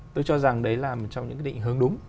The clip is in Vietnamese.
tôi cho rằng đấy là một trong những cái định hướng đúng